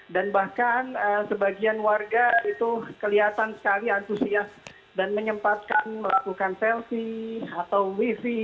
dan bahkan sebagian warga itu kelihatan sekali antusias dan menyempatkan melakukan selfie atau wifi